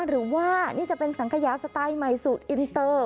หรือว่านี่จะเป็นสังขยาสไตล์ใหม่สูตรอินเตอร์